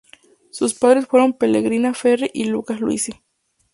Sus padres fueron Pelegrina Ferri y Lucas Luisi.